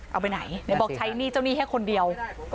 เอาไปไหนไหนบอกใช้หนี้เจ้าหนี้แค่คนเดียว